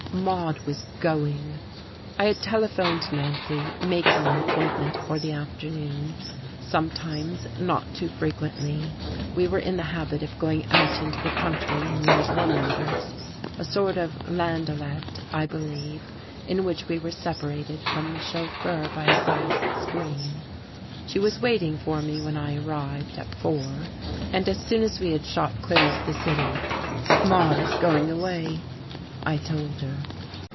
Maude was going! I had telephoned Nancy, making an appointment for the afternoon. Sometimes not too frequently we were in the habit of going out into the country in one of her motors, a sort of landaulet, I believe, in which we were separated from the chauffeur by a glass screen. She was waiting for me when I arrived, at four; and as soon as we had shot clear of the city, "Maude is going away," I told her.